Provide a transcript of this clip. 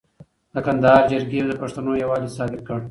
د کندهار جرګې د پښتنو یووالی ثابت کړ.